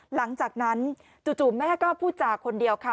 หลังจากนั้นจู่แม่ก็พูดจากคนเดียวค่ะ